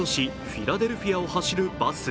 フィラデルフィアを走るバス。